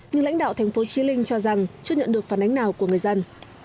nhưng lãnh đạo tp chí linh cho rằng chưa nhận được phản ánh nào của người dân